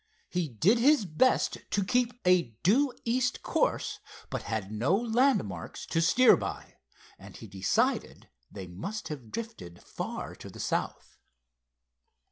He did his best to keep a due east course, but had no landmarks to steer by, and he decided they must have drifted far to the south.